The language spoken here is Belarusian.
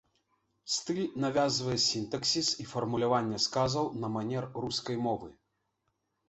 Стыль навязвае сінтаксіс і фармуляванне сказаў на манер рускай мовы.